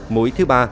mũi thứ ba